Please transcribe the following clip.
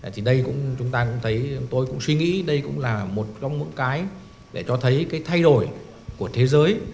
thì đây chúng ta cũng thấy tôi cũng suy nghĩ đây cũng là một trong những cái để cho thấy cái thay đổi của thế giới